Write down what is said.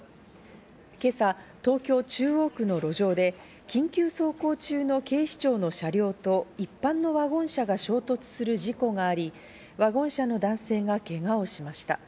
今朝、東京・中央区の路上で緊急走行中の警視庁の車両と一般のワゴン車が衝突する事故があり、ワゴン車の男性がけがをしました。